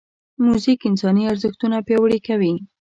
موزیک انساني ارزښتونه پیاوړي کوي.